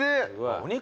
お肉？